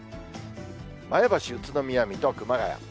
前橋、宇都宮、水戸、熊谷。